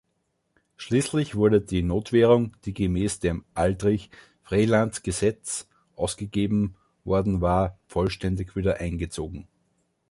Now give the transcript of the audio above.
Schließlich wurde die Notwährung, die gemäß dem „Aldrich-Vreeland-Gesetz“ ausgegeben worden war, vollständig wieder eingezogen.